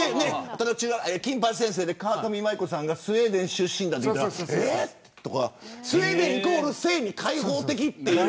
金八先生で川上麻衣子さんがスウェーデン出身だと言ったら驚いたりスウェーデンイコール性に開放的という。